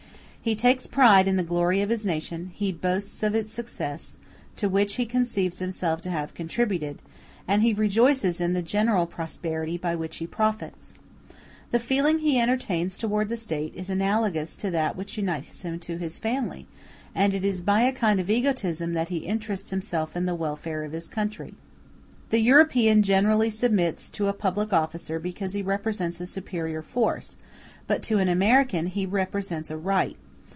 He takes pride in the glory of his nation; he boasts of its success, to which he conceives himself to have contributed, and he rejoices in the general prosperity by which he profits. The feeling he entertains towards the State is analogous to that which unites him to his family, and it is by a kind of egotism that he interests himself in the welfare of his country. The European generally submits to a public officer because he represents a superior force; but to an American he represents a right.